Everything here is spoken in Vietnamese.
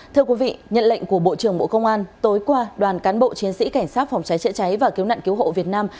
thưa quý vị nhận lệnh của bộ trưởng bộ công an tối qua đoàn cán bộ chiến sĩ cảnh sát phòng cháy chữa cháy và cứu nạn cứu hộ việt nam